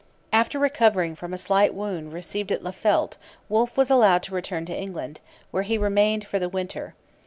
After recovering from a slight wound received at Laffeldt Wolfe was allowed to return to England, where he remained for the winter.